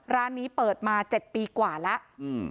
ร้านนี้เปิดมา๗ปีกว่าแล้ว